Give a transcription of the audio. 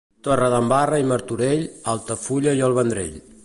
Torredembarra i Martorell, Altafulla i el Vendrell.